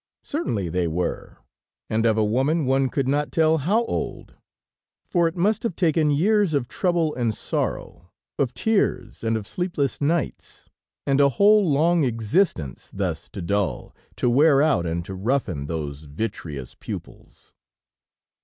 Certainly they were, and of a woman one could not tell how old, for it must have taken years of trouble and sorrow, of tears and of sleepless nights, and a whole long existence, thus to dull, to wear out and to roughen those vitreous pupils.